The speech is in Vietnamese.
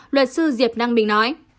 luật sư diệp năng bình nói